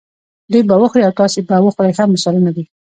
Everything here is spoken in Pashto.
دوی به وخوري او تاسې به وخورئ هم مثالونه دي.